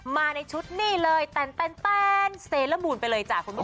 มาในชุดนี่เลยแตนเสร็จระบูรณ์ไปเลยจ้ะคุณผู้ชมค่ะ